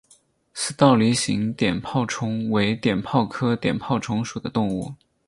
似倒梨形碘泡虫为碘泡科碘泡虫属的动物。